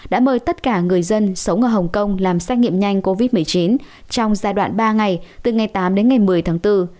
đã mời tất cả người dân sống ở hồng kông làm xét nghiệm nhanh covid một mươi chín trong giai đoạn ba ngày từ ngày tám đến ngày một mươi tháng bốn